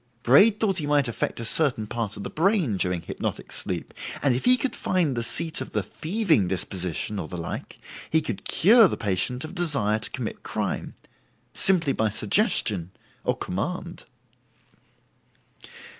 Braid thought he might affect a certain part of the brain during hypnotic sleep, and if he could find the seat of the thieving disposition, or the like, he could cure the patient of desire to commit crime, simply by suggestion, or command.